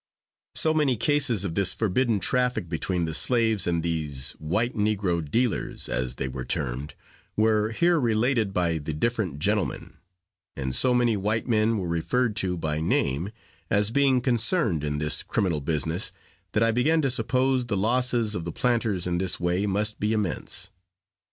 So many cases of this forbidden traffic between the slaves and these "white negro dealers," as they were termed, were here related by the different gentlemen, and so many white men were referred to by name as being concerned in this criminal business, that I began to suppose the losses of the planters in this way must be immense.